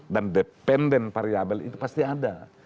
dan dependen variable itu pasti ada